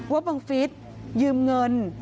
ว่าบังฤษยืมเงิน